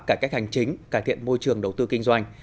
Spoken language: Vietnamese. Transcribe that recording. cải cách hành chính cải thiện môi trường đầu tư kinh doanh